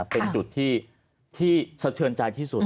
เป็นจุดที่สะเทือนใจที่สุด